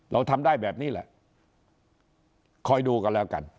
เราทำได้แบบนี้แหละคอยดูกันแล้วกัน